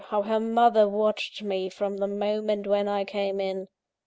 how her mother watched me from the moment when I came in!